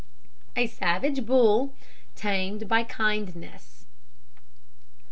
A SAVAGE BULL TAMED BY KINDNESS.